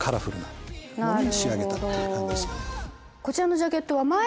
こちらのジャケットは。